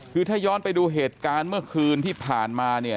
คือถ้าย้อนไปดูเหตุการณ์เมื่อคืนที่ผ่านมาเนี่ย